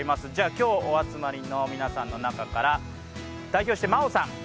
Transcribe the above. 今日お集まりの皆さんの中から代表してまおさん